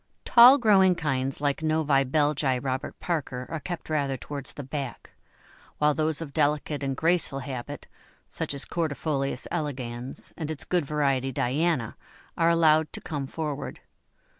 Tall growing kinds like Novi Belgi Robert Parker are kept rather towards the back, while those of delicate and graceful habit, such as Cordifolius elegans and its good variety Diana are allowed to come forward.